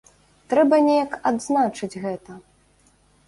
Трэба неяк адзначыць гэта.